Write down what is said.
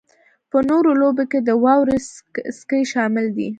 په نورو لوبو کې د واورې سکی شامل دی